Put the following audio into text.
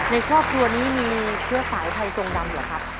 ในครอบครัวนี้มีเชื้อสายไทยทรงดำเหรอครับ